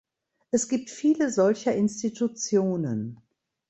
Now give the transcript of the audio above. Es gibt viele solcher Institutionen.